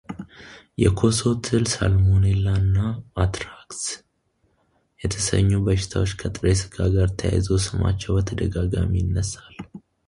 የኮሶ ትል ሳልሞኔላ እና አንትራክስ የተሰኙ በሽታዎች ከጥሬ ሥጋ ጋር ተያይዞ ስማቸው በተደጋጋሚ ይነሳል።